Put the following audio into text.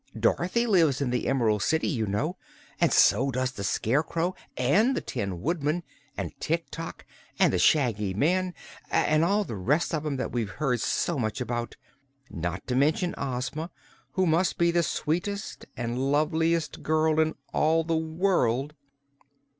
Dorothy lives in the Em'rald City, you know, and so does the Scarecrow and the Tin Woodman and Tik Tok and the Shaggy Man and all the rest of 'em that we've heard so much about not to mention Ozma, who must be the sweetest and loveliest girl in all the world!"